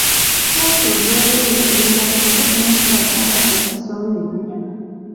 Twetonda olw'ebyo ebibaddewo, era tubasaba ekisonyiwo.